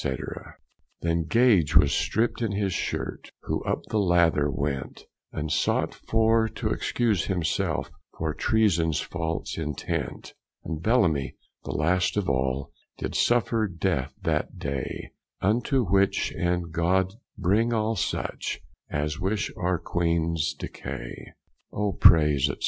Then Gage was stripped in his shirt, Who up the lather went, And sought for to excuse him selfe Of treasons falce intent. And Bellamie the last of all Did suffer death that daye; Unto which end God bring all such As wish our Queenes decay. O praise, &c.